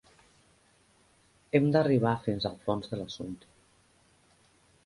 Hem d'arribar fins al fons de l'assumpte.